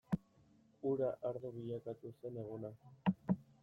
Ura ardo bilakatu zen eguna.